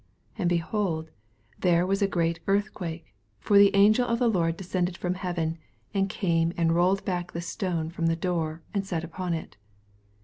2 And. behold, there was a great earthqaake : for tne angel of the Lord descended from heaven, and came and rolled back the stone from the door, and sat upon it.